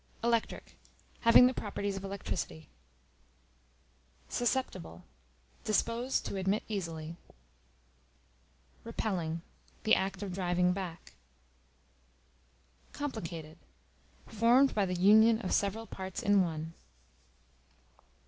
Electric, having the properties of electricity. Susceptible, disposed to admit easily. Repelling, the act of driving back. Complicated, formed by the union of several parts in one.